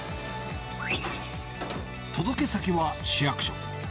届け先は市役所。